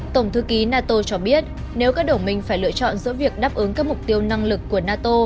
tổng thư ký nato cho biết nếu các đồng minh phải lựa chọn giữa việc đáp ứng các mục tiêu năng lực của nato